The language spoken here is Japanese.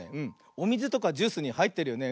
おみずとかジュースにはいってるよね。